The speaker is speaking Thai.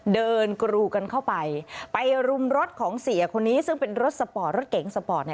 กรูกันเข้าไปไปรุมรถของเสียคนนี้ซึ่งเป็นรถสปอร์ตรถเก๋งสปอร์ต